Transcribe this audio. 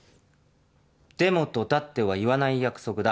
「でも」と「だって」は言わない約束だ。